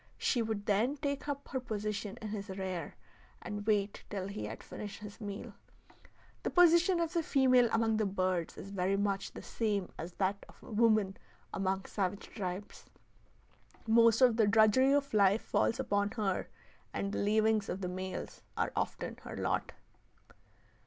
She would then take up her position in his rear and wait till he had finished his meal. The position of the female among the birds is very much the same as that of woman among savage tribes. Most of the drudgery of life falls upon her, and the leavings of the males are often her lot.